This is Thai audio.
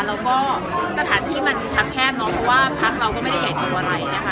แล้วก็สถานที่มันพักแคบเนาะเพราะว่าพักเราก็ไม่ได้ใหญ่โตอะไรนะคะ